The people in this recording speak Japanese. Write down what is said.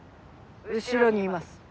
後ろにいます。